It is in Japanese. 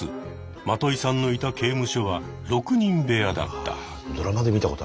マトイさんのいた刑務所は６人部屋だった。